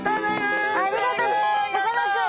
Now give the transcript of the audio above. さかなクン